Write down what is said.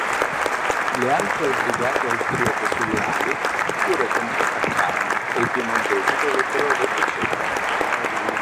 Le altre brigate austriache sulle ali pure contrattaccarono e i piemontesi dovettero retrocedere.